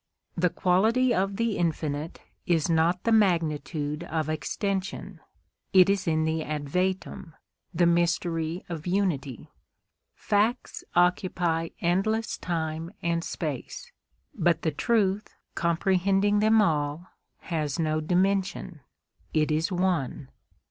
The quality of the infinite is not the magnitude of extension, it is in the Advaitam, the mystery of Unity. Facts occupy endless time and space; but the truth comprehending them all has no dimension; it is One.